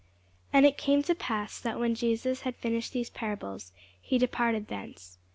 And it came to pass, that when Jesus had finished these parables, he departed thence.